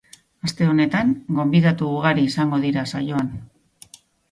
Aste honetan, gonbidatu ugari izango dira saioan.